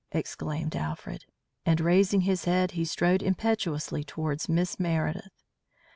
exclaimed Alfred. And, raising his head, he strode impetuously towards Miss Meredith.